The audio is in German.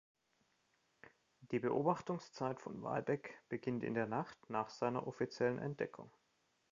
Die Beobachtungszeit von „Walbeck“ beginnt in der Nacht nach seiner offiziellen Entdeckung.